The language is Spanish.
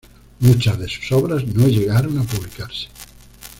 Muchas de sus obras no llegaron a publicarse.